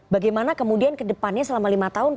bagaimana kemudian ke depannya selama lima tahun